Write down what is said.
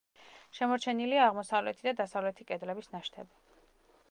შემორჩენილია აღმოსავლეთი და დასავლეთი კედლების ნაშთები.